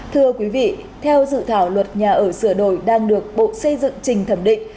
thưa quý vị theo dự thảo luật nhà ở sửa đổi đang được bộ xây dựng trình thẩm định